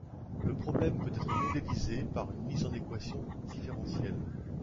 Le problème peut être modélisé par une mise en équation différentielle.